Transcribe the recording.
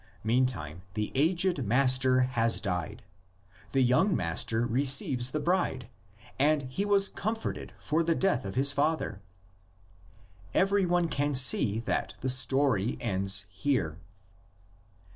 Meantime the aged master has died. The young master receives the bride, and "he was comforted for the death of his father." Everyone can see that the story ends here.